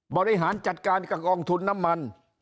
บริหารจัดการกับกองทุนน้ำมัน